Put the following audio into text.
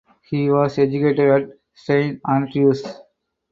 He was educated at St Andrews.